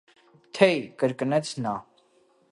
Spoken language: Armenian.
- Թե՛յ,- կրկնեց նա: